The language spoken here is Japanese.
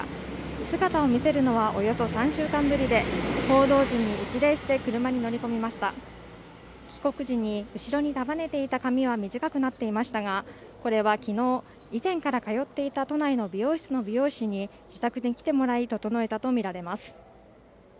姿を見せるのはおよそ３週間ぶりで報道陣に一礼して車に乗り込みました帰国時に後ろに束ねてた髪は短くなっていましたがこれは昨日以前からかよっていた都内の美容室の美容師に自宅に来てもらい整えたと見られます